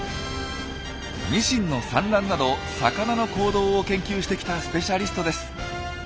ニシンの産卵など魚の行動を研究してきたスペシャリストです。